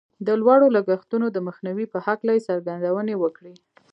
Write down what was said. د لوړو لګښتونو د مخنيوي په هکله يې څرګندونې وکړې.